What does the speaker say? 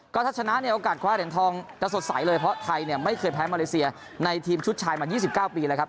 ก็ถ้าชนะเนี่ยโอกาสคว้าเหรียญทองจะสดใสเลยเพราะไทยเนี่ยไม่เคยแพ้มาเลเซียในทีมชุดชายมา๒๙ปีแล้วครับ